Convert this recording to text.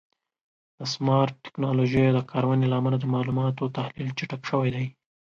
د سمارټ ټکنالوژیو د کارونې له امله د معلوماتو تحلیل چټک شوی دی.